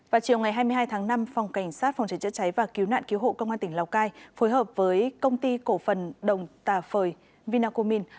vào chiều ngày hai mươi hai tháng năm phòng cảnh sát phòng cháy chữa cháy và cứu nạn cứu hộ công an tỉnh lào cai phối hợp với công ty cổ phần đồng tà phời vinacomin